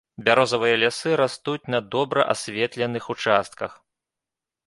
Бярозавыя лясы растуць на добра асветленых участках.